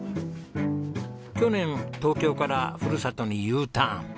去年東京からふるさとにＵターン。